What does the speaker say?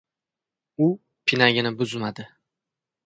U pinagini buzmadi.